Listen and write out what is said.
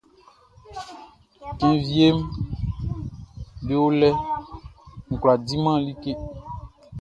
Cɛn wieʼm be o lɛʼn, n kwlá diman like.